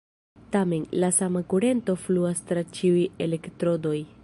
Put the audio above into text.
Tamen, la sama kurento fluas tra ĉiuj elektrodoj.